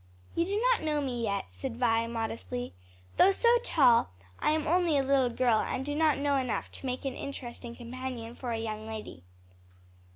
"You do not know me yet," said Vi, modestly. "Though so tall, I am only a little girl and do not know enough to make an interesting companion for a young lady."